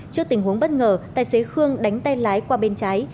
trước tình huống bất ngờ tài xế khương đánh tay lái qua bên trái